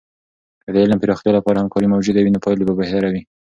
که د علم د پراختیا لپاره همکارۍ موجودې وي، نو پایلې به بهتره وي.